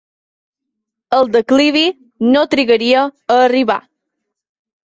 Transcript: El declivi no trigaria a arribar.